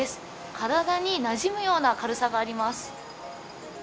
体になじむような軽さがあります。